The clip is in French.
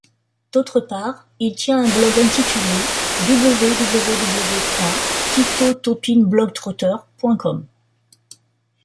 D'autre part, il tient un blog intitulé www.titotopinblogtrotter.com.